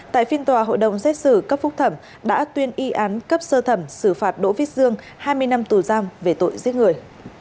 tại phiên tòa hội đồng xét xử cấp phúc thẩm đã tuyên y án cấp sơ thẩm xử phạt đỗ viết dương hai mươi năm tù giam về tội giết người